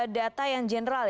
data yang general ya